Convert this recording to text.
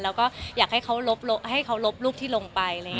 แล้วก็อยากให้เขารบรูปที่ลงไป